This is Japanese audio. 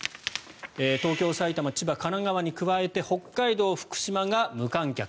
東京、埼玉、千葉、神奈川に加えて北海道、福島が無観客。